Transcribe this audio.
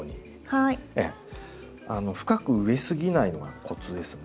深く植えすぎないのがコツですね。